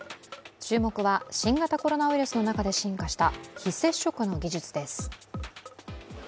注目は新型コロナウイルスの中で進化した非接触の技術です。